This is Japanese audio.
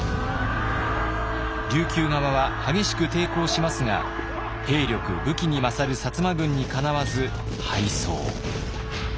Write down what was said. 琉球側は激しく抵抗しますが兵力武器に勝る摩軍にかなわず敗走。